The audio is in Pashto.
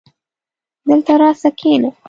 دلته راسه کينه